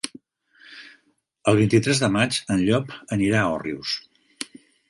El vint-i-tres de maig en Llop anirà a Òrrius.